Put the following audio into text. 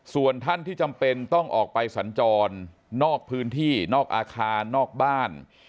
ส่วนท่านที่จำเป็นต้องออกไปสัญจรนอกพื้นที่นอกอาคารนอกบ้าน